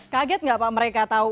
kaget nggak pak mereka tahu